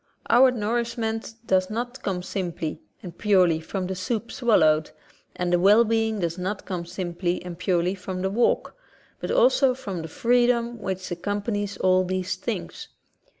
Our nourish ment does not come simply and purely from the soup swallowed, and the well being does not come simply and purely from the walk, but also from the freedom which accompanies all these things.